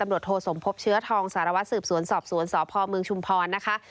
ตำรวจโทสมพบเชื้อทองสารวัตรสืบสวนสอบสวนสพเมืองชุมพรนะคะ